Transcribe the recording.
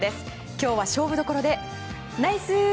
今日は勝負所でナイス！